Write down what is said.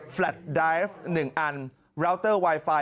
แลตไดฟ์๑อันราวเตอร์ไวไฟ